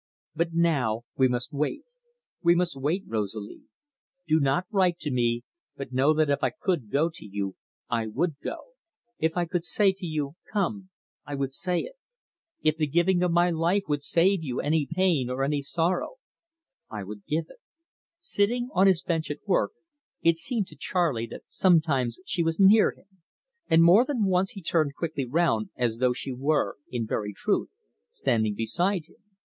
But now, we must wait we must wait, Rosalie. Do not write to me, but know that if I could go to you I would go; if I could say to you, Come, I would say it. If the giving of my life would save you any pain or sorrow, I would give it. Sitting on his bench at work, it seemed to Charley that sometimes she was near him, and more than once he turned quickly round as though she were, in very truth, standing beside him.